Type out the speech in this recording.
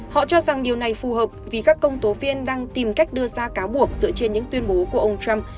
họ cho rằng điều này phù hợp vì các công tố viên đang tìm cách đưa ra cáo buộc dựa trên những tuyên bố của ông trump